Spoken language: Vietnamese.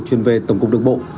truyền về tổng cục đường bộ